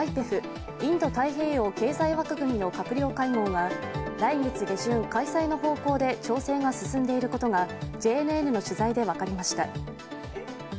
ＩＰＥＦ＝インド太平洋経済枠組みの閣僚会合が来月下旬、開催の方向で調整が進んでいることがＪＮＮの取材で分かりました。